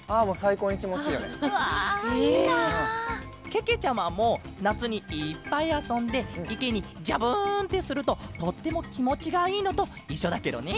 けけちゃまもなつにいっぱいあそんでいけにジャブンってするととってもきもちがいいのといっしょだケロね！